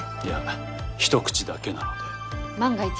いやひと口だけなので。